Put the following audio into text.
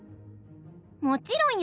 「もちろんよ。